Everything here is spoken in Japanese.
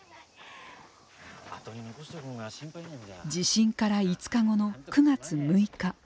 地震から５日後の９月６日。